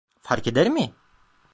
Fark eder mi?